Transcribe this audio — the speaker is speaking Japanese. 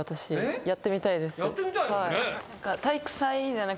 やってみたいよね。